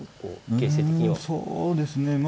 うんそうですね。